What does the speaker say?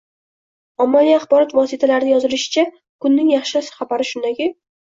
Ommaviy axborot vositalarida yozilishicha, Kunning yaxshi xabari shundaki